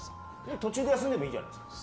途中で休めばいいじゃないですか。